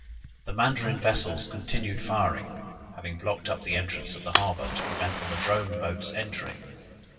"The Mandarin vessels continued firing, having blocked up the entrance of the harbor to prevent the Ladrone boats entering.